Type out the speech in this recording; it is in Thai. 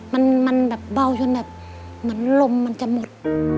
มันแบบเบาจนแบบเหมือนลมมันจะหมด